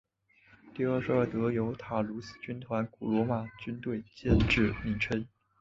第二十二德尤塔卢斯军团古罗马军队建制名称。